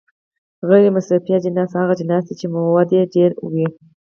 غیر مصرفي اجناس هغه اجناس دي چې موده یې ډیره وي.